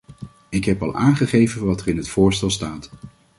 Ik heb al aangegeven wat er in het voorstel staat.